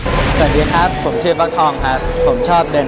งั้นหนูเลือกพี่ป๋องดีกว่าเพราะพี่ป๋องดูน่าจะตะลุยตะลุย